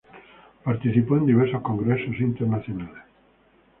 Participó en diversos congresos internacionales.